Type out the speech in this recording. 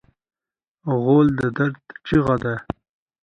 غول د درد چیغه ده.